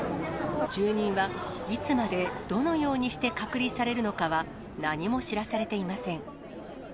住人はいつまで、どのようにして隔離されるのかは何も知らされていません。